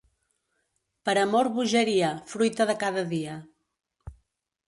Per amor bogeria, fruita de cada dia.